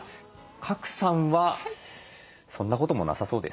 賀来さんはそんなこともなさそうですね。